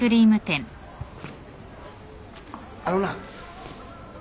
あのな。